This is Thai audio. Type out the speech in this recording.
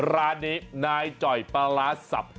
ร้านนี้นายจ่อยปลาร้าสับ